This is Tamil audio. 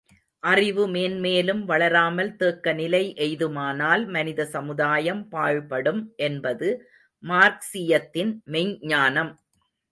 அறிவு, மேன்மேலும் வளராமல் தேக்க நிலை எய்துமானால் மனித சமுதாயம் பாழ்படும் என்பது மார்க்சீயத்தின் மெய்ஞ்ஞானம்.